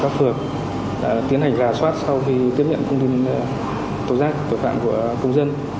các phường đã tiến hành rà soát sau khi tiếp nhận công tin tổn giác tổng phạm của công dân